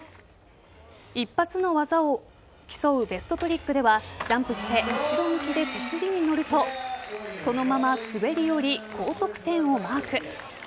一発の技を競うベストトリックではジャンプして後ろ向きで手すりに乗るとそのまま滑り降り高得点をマーク。